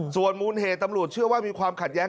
ส่วนมูลเหตุตำรวจเชื่อว่ามีความขัดแย้ง